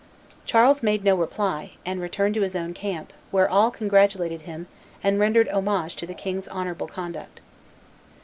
Charles made no reply, and returned to his own camp, where all congratulated him and rendered homage to the king's honorable conduct.